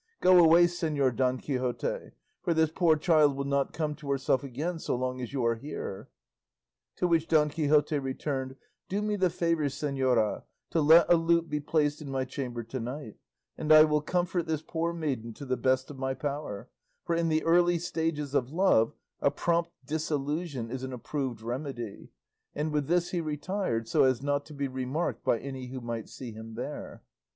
Go away, Señor Don Quixote; for this poor child will not come to herself again so long as you are here." To which Don Quixote returned, "Do me the favour, señora, to let a lute be placed in my chamber to night; and I will comfort this poor maiden to the best of my power; for in the early stages of love a prompt disillusion is an approved remedy;" and with this he retired, so as not to be remarked by any who might see him there.